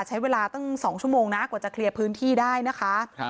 ใช้เวลาตั้ง๒ชั่วโมงนะกว่าจะเคลียร์พื้นที่ได้นะคะ